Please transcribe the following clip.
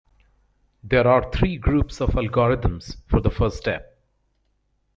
There are three groups of algorithms for the first step.